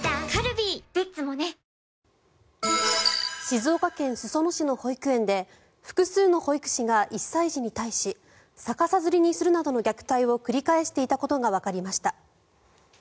静岡県裾野市の保育園で複数の保育士が１歳児に対し逆さづりにするなどの虐待を繰り返していたことがわかりました。